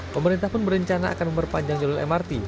pemerintah pun berencana akan memperpanjang jalur mrt